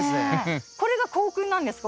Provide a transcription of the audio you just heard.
これが校訓なんですか？